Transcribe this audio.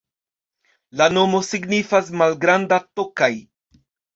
La nomo signifas: malgranda Tokaj.